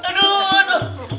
aduh aduh aduh